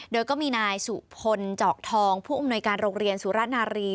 โดยก็มีนายสุพลจอกทองผู้อำนวยการโรงเรียนสุรนารี